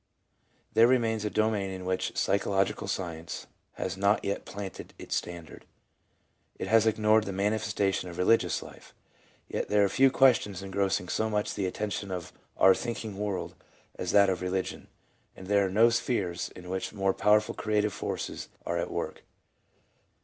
There remains a domain in which psychological science has not yet planted its standard : it has ignored the manifesta tions of religious life. Yet there are few questions engross ing so much the attention of our thinking world as that of religion, and there are no spheres in which more powerful creative forces are at work.